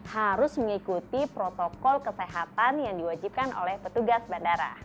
harus mengikuti protokol kesehatan yang diwajibkan oleh petugas bandara